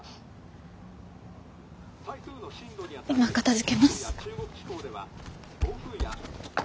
今片づけます。